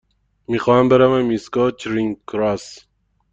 می خواهم بروم ایستگاه چرینگ کراس.